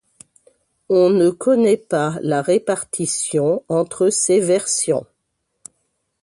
On ne connait pas la répartition entre ces versions.